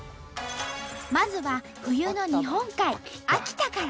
まずは冬の日本海秋田から。